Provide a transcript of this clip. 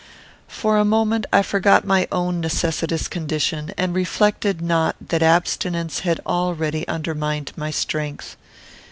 For a moment, I forgot my own necessitous condition, and reflected not that abstinence had already undermined my strength.